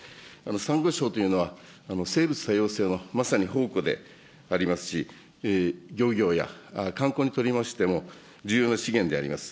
サンゴ礁というのは、生物多様性のまさに宝庫でありますし、漁業や観光にとりましても、重要な資源であります。